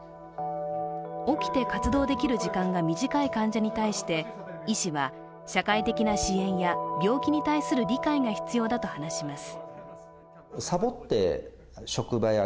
起きて活動できる時間が短い患者に対して、医師は社会的な支援や病気に対する理解が必要だと話します。